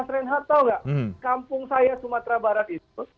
mas reinhard tahu nggak kampung saya sumatera barat itu